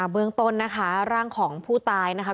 เบื้องต้นนะคะร่างของผู้ตายนะคะ